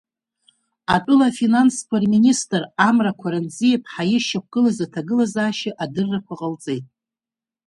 Атәыла афинансқәа рминистр Амра Қәаранӡиаԥҳа ишьақәгылаз аҭагылазаашьазы адыррақәа ҟалҵеит…